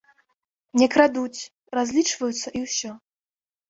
Не крадуць, разлічваюцца, і ўсё.